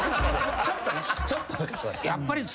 ちょっとね。